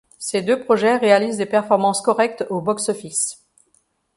Ses deux projets réalisent des performances correctes au box office.